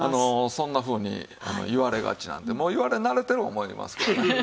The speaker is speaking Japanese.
そんなふうに言われがちなんでもう言われ慣れてる思いますけどね。